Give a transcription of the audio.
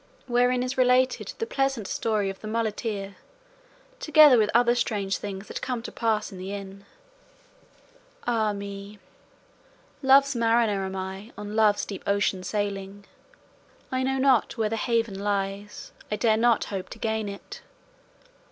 WHEREIN IS RELATED THE PLEASANT STORY OF THE MULETEER, TOGETHER WITH OTHER STRANGE THINGS THAT CAME TO PASS IN THE INN Ah me, Love's mariner am I On Love's deep ocean sailing; I know not where the haven lies, I dare not hope to gain it.